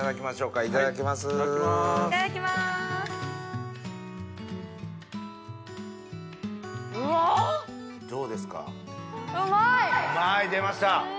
うまい出ました。